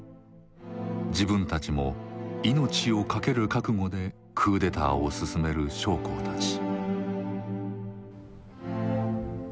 自分たちも命を懸ける覚悟でクーデターをすすめる将校たち。